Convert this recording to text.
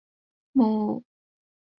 母乌六浑氏。